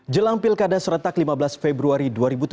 jelang pilkada seretak lima belas februari dua ribu tujuh belas